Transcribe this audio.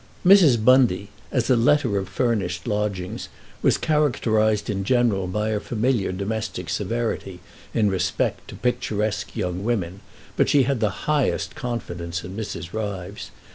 Mrs. Bundy, as a letter of furnished lodgings, was characterised in general by a familiar domestic severity in respect to picturesque young women, but she had the highest confidence in Mrs. Ryves.